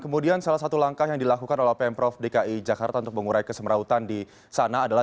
kemudian salah satu langkah yang dilakukan oleh pemprov dki jakarta untuk mengurai kesemerautan di sana adalah